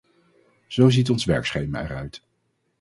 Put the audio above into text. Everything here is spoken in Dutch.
Zo ziet ons werkschema eruit.